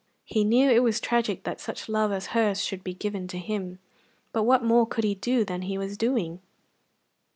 He knew it was tragic that such love as hers should be given to him, but what more could he do than he was doing?